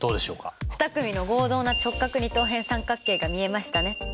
２組の合同な直角二等辺三角形が見えましたね。